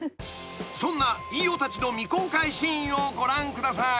［そんな飯尾たちの未公開シーンをご覧ください］